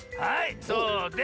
そうです。